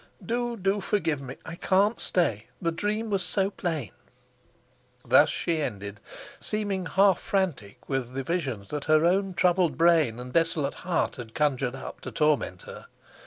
Do, do forgive me: I can't stay, the dream was so plain." Thus she ended, seeming, poor lady, half frantic with the visions that her own troubled brain and desolate heart had conjured up to torment her.